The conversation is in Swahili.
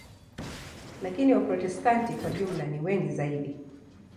Lakini Waprotestanti kwa jumla ni wengi zaidi.